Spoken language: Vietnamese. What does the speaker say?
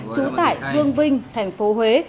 trú tại vương vinh tp huế